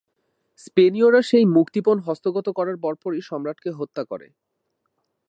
স্পেনীয়রা সেই মুক্তিপণ হস্তগত করার পরপরই সম্রাটকে হত্যা করে।